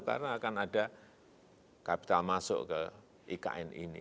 karena akan ada capital masuk ke ikn ini